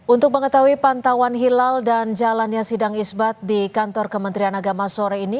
untuk mengetahui pantauan hilal dan jalannya sidang isbat di kantor kementerian agama sore ini